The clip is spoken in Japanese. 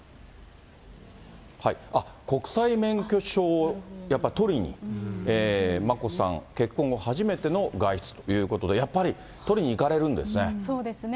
国際免許証をやっぱり取りに、眞子さん、結婚後初めての外出ということで、そうですね。